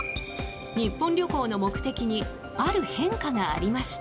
日本旅行の目的にある変化がありました。